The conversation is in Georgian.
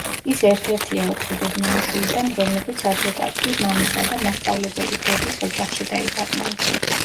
ის ერთ-ერთია ოთხი დედმამიშვილიდან, რომლებიც ადვოკატი მამისა და მასწავლებელი დედის ოჯახში დაიბადნენ.